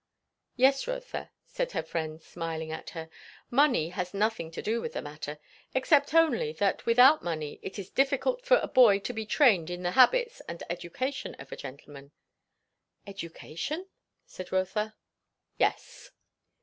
"Yes, Rotha," said her friend smiling at her; "money has nothing to do with the matter. Except only, that without money it is difficult for a boy to be trained in the habits and education of a gentleman." "Education?" said Rotha. "Yes."